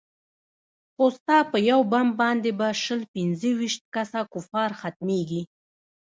خو ستا په يو بم باندې به شل پينځه ويشت كسه كفار ختميږي.